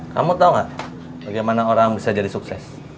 kamu tau gak bagaimana orang bisa jadi sukses